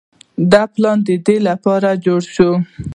دا پلان د دې لپاره جوړ شوی